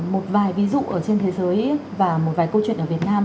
một vài ví dụ ở trên thế giới và một vài câu chuyện ở việt nam